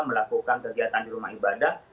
melakukan kegiatan di rumah ibadah